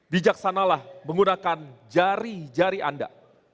bijaksanalah menggunakan jari jari anda